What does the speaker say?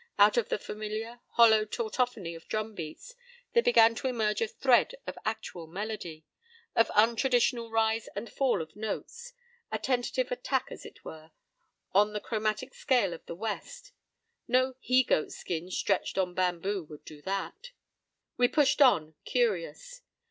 Out of the familiar, hollow tautophony of drumbeats there began to emerge a thread of actual melody—an untraditional rise and fall of notes—a tentative attack as it were, on the chromatic scale of the west. No he goat's skin stretched on bamboo would do that. We pushed on, curious.